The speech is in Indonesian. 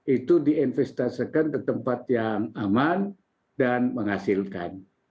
itu diinvestasikan ke tempat yang aman dan menghasilkan